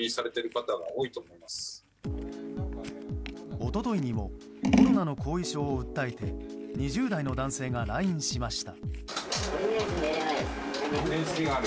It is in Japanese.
一昨日にもコロナの後遺症を訴えて２０代の男性が来院しました。